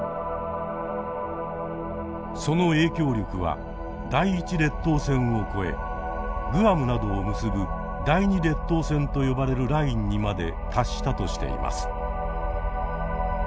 その影響力は第１列島線を越えグアムなどを結ぶ第２列島線と呼ばれるラインにまで達したとしています。